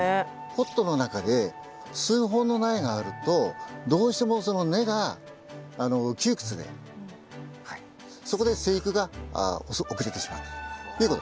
ポットの中で数本の苗があるとどうしてもその根が窮屈でそこで生育が遅れてしまったということですね。